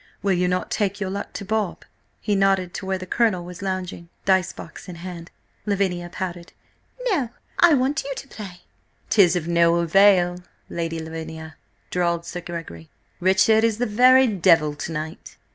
Will you not take your luck to Bob?" He nodded to where the Colonel was lounging, dice box in hand. Lavinia pouted. "No, I want you to play!" "'Tis of no avail, Lady Lavinia!" drawled Sir Gregory. "Richard is the very devil to night."